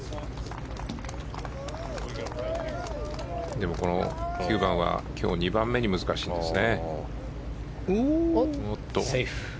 でも、この９番は今日２番目に難しいですね。